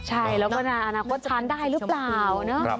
ใช่แล้วมันอาณาคตทานได้หรือเปล่าเนอะ